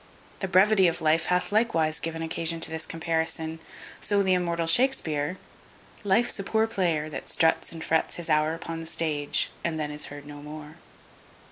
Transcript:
The brevity of life hath likewise given occasion to this comparison. So the immortal Shakespear Life's a poor player, That struts and frets his hour upon the stage, And then is heard no more.